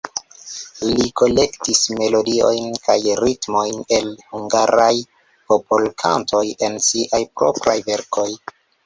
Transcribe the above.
Li kolektis melodiojn kaj ritmojn el hungaraj popolkantoj en siaj propraj verkoj.